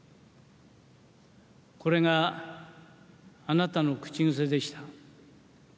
これがあなたの口癖でした。